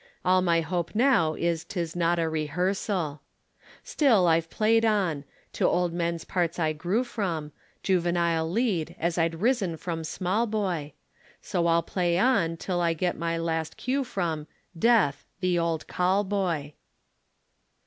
All my hope now is 'tis not a rehearsal. Still I've played on; to old men's parts I grew from Juvenile lead, as I'd risen from small boy, So I'll play on till I get my last cue from Death, the old call boy.